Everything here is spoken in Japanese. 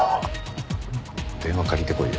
電話借りてこいよ。